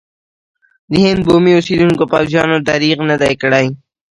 د هند بومي اوسېدونکو پوځیانو درېغ نه دی کړی.